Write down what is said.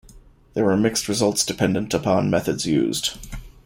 There were mixed results dependent upon methods used.